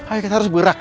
ayo kita harus bergerak